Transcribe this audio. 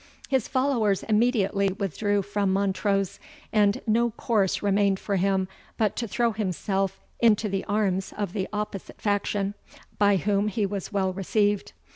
"His followers immediately withdrew from Montrose, and no course remained for him but to throw himself into the arms of the opposite faction, by whom he was well received.